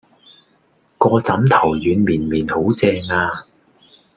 個枕頭軟綿綿好正呀